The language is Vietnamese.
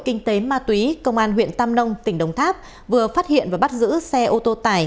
kinh tế ma túy công an huyện tam nông tỉnh đồng tháp vừa phát hiện và bắt giữ xe ô tô tải